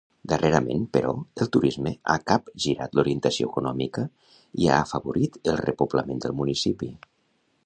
Darrerament, però, el turisme ha capgirat l'orientació econòmica i ha afavorit el repoblament del municipi.